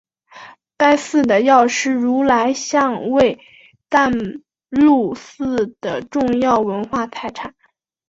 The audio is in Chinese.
该寺的药师如来像为淡路市的重要文化财产。